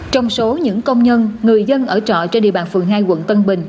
trong số những công nhân người dân ở trọ trên địa bàn phường hai quận tân bình